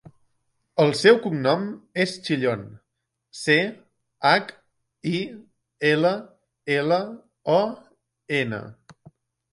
El seu cognom és Chillon: ce, hac, i, ela, ela, o, ena.